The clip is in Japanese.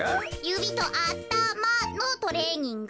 ゆびとあたまのトレーニング。